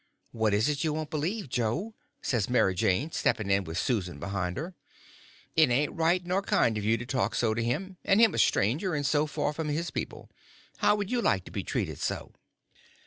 "What is it you won't believe, Joe?" says Mary Jane, stepping in with Susan behind her. "It ain't right nor kind for you to talk so to him, and him a stranger and so far from his people. How would you like to be treated so?"